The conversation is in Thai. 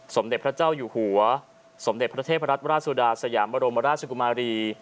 สมเด็จพระเจ้าอยู่หัวสมเด็จพระเทพรัตนราชสุดาสยามบรมราชกุมารี